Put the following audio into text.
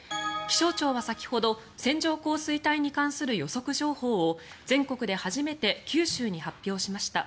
気象庁は先ほど線状降水帯に関する予測情報を全国で初めて九州に発表しました。